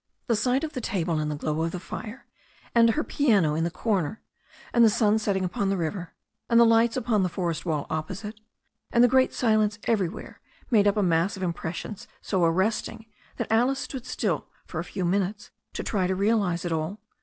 The sight of the table in the glow of the fire, and her piano in the corner, and the sun setting upon the river, and the lights upon the forest wall opposite, and the great silence everywhere made up a mass of impressions so arrest ing that Alice stood still for a few minutes to try to realize it all.